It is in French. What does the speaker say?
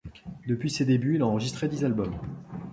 Depuis ses débuts, il a enregistré dix albums.